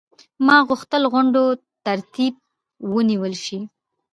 ما غوښتل غونډو ترتیب ونیول شي.